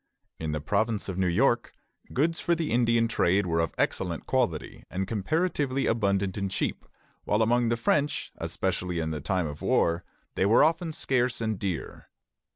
In the province of New York, goods for the Indian trade were of excellent quality and comparatively abundant and cheap; while among the French, especially in time of war, they were often scarce and dear.